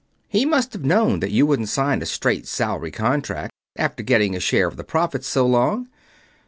"He must have known that you wouldn't sign a straight salary contract after getting a share of the profits so long.